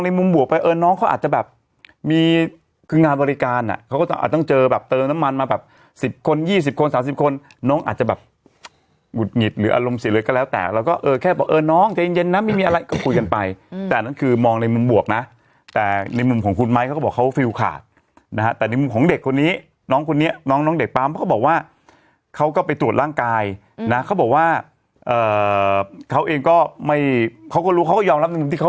สิบคนยี่สิบคนสามสิบคนน้องอาจจะแบบหุดหงิดหรืออารมณ์เสียเลยก็แล้วแต่เราก็เออแค่บอกเออน้องใจเย็นนะไม่มีอะไรก็คุยกันไปแต่นั่นคือมองในมุมบวกนะแต่ในมุมของคุณไมค์เขาก็บอกเขาฟิวขาดนะฮะแต่ในมุมของเด็กคนนี้น้องคนนี้น้องน้องเด็กป๊าเขาก็บอกว่าเขาก็ไปตรวจร่างกายนะเขาบอกว่าเอ่อเขาเองก็ไม่เขาก็รู้เขาก็